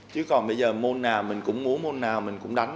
chứ còn bây giờ môn nào mình cũng muốn môn nào mình cũng đánh